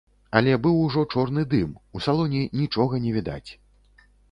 Але быў ужо чорны дым, у салоне нічога не відаць.